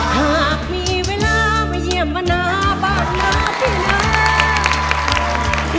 หากมีเวลามาเยี่ยมมาหน้าบ้านหน้าที่นั้น